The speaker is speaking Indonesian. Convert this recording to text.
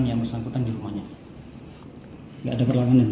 yang bersangkutan di rumahnya